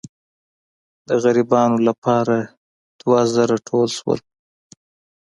د غریبانو لپاره دوه زره ټول شول.